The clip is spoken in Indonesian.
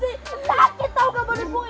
sakit tau gak buem